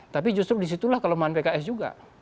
tapi justru disitulah kelemahan pks juga